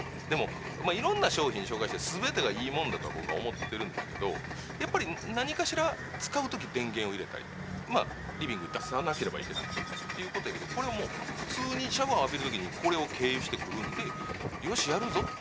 でもいろんな商品紹介して全てがいい物だとは僕は思ってるんだけどやっぱり何かしら使うとき電源を入れたりリビングに出さなければいけなかったりっていうことやけどこれはもう普通にシャワー浴びるときにこれを経由してくるんで。